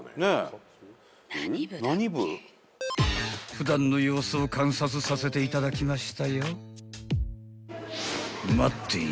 ［普段の様子を観察させていただきましたよ］